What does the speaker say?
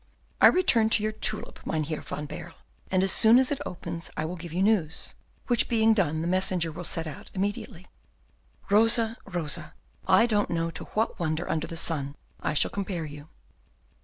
"I return to your tulip, Mynheer van Baerle, and as soon as it opens I will give you news, which being done the messenger will set out immediately." "Rosa, Rosa, I don't know to what wonder under the sun I shall compare you."